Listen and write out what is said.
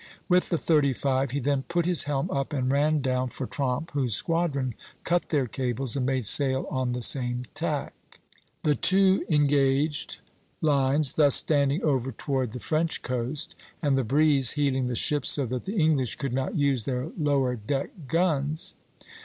With the thirty five he then put his helm up and ran down for Tromp, whose squadron cut their cables and made sail on the same tack (V'); the two engaged lines thus standing over toward the French coast, and the breeze heeling the ships so that the English could not use their lower deck guns (Fig.